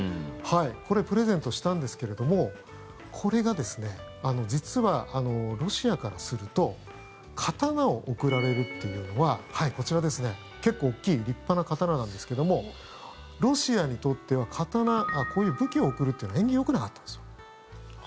これはプレゼントしたんですけれどもこれが実はロシアからすると刀を贈られるというのは結構大きい立派な刀なんですがロシアにとっては刀こういう武器を贈るというのは縁起がよくなかったんですよ。